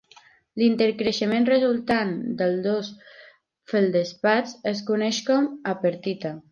L'intercreixement resultant del dos feldespats es coneix com a perthita.